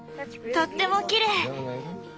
とってもきれい。